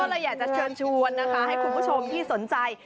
ก็เลยอยากจะเชิญชวนนะคะให้คุณผู้ชมที่สนใจ